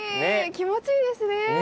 気持ちいいですね。